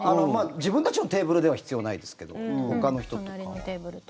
自分たちのテーブルでは必要ないですけど隣のテーブルと。